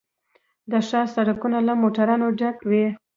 د ښار سړکونه له موټرو ډک وي